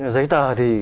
giấy tờ thì